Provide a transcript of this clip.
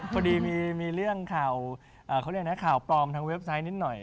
พอดีมีเรื่องข่าวปลอมทางเว็บไซต์นิดหน่อย